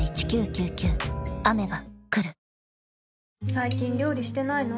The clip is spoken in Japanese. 最近料理してないの？